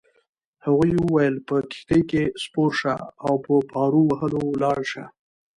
هغه وویل: په کښتۍ کي سپور شه او په پارو وهلو ولاړ شه.